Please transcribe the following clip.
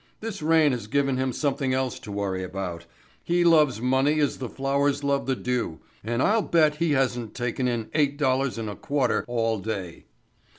"This rain has given him something else to worry about. He loves money as the flowers love the dew, and I'll bet he hasn't taken in $8.25 all day."